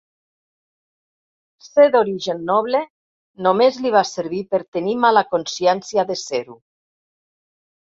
Ser d'origen noble només li va servir per tenir mala consciència de ser-ho.